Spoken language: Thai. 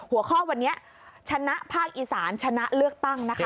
หัวข้อวันนี้ชนะภาคอีสานชนะเลือกตั้งนะคะ